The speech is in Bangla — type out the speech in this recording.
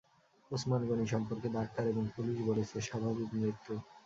ওসমান গনি সম্পর্কে ডাক্তার এবং পুলিশ বলছে-স্বাভাবিক মৃত্যু।